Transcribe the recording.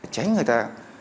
tránh người ta